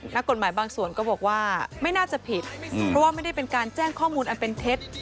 นักกฎหมายบางส่วนก็บอกว่าไม่น่าจะผิดเพราะว่าไม่ได้เป็นการแจ้งข้อมูลอันเป็นเท็จ